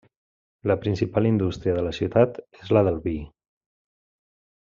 La principal indústria de la ciutat és la del vi.